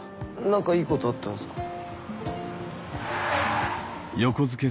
何かいいことあったんすか。